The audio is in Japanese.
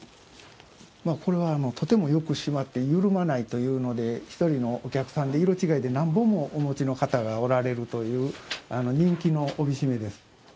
これはとてもよく締まって緩まないというので１人のお客さんで色違いで何本もお持ちの方がおられるという人気の帯締めです。